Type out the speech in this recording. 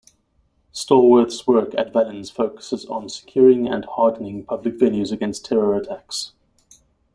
Stallworth's work at Valens focuses on securing and hardening public venues against terror attacks.